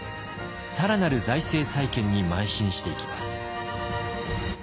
更なる財政再建にまい進していきます。